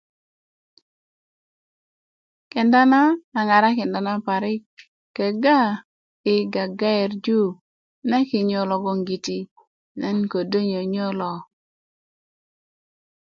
kenda na a ŋarakinda nan parik kega i gagayerju na kinyö logongiti nan ko do nyonyo lo